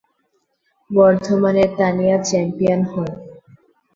বর্ধমানের তানিয়া চ্যাম্পিয়ন হন।